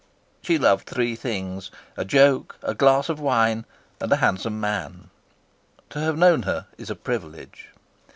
She loved three things a joke, a glass of wine, and a handsome man. To have known her is a privilege.